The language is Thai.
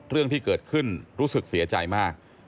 เรื่องที่เกิดขึ้นรู้สึกเสียใจมาก